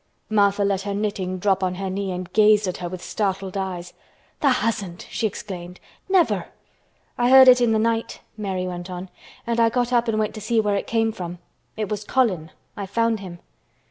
Martha let her knitting drop on her knee and gazed at her with startled eyes. "Tha' hasn't!" she exclaimed. "Never!" "I heard it in the night," Mary went on. "And I got up and went to see where it came from. It was Colin. I found him."